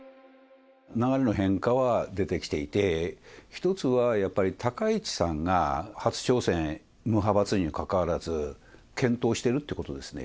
流れの変化は出てきていて、１つは、やっぱり高市さんが初挑戦、無派閥にもかかわらず、健闘してるってことですね。